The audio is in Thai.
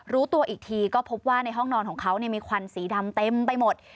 รู้ตัวอีกทีก็พบว่าในห้องนอนของเขามีควันสีดำเต็มไปหมด